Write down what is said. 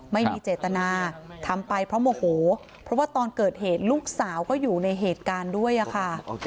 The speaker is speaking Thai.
ไม่มีเจตนาทำไปเพราะโมโหเพราะว่าตอนเกิดเหตุลูกสาวก็อยู่ในเหตุการณ์ด้วยค่ะ